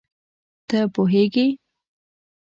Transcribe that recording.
ته پوهېږې